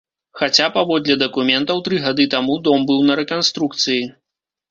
Хаця, паводле дакументаў, тры гады таму дом быў на рэканструкцыі.